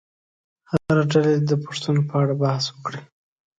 هره ډله دې د پوښتنو په اړه بحث وکړي.